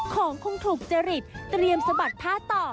ของคงถูกจริตเตรียมสะบัดผ้าต่อ